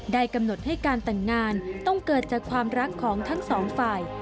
กำหนดให้การแต่งงานต้องเกิดจากความรักของทั้งสองฝ่าย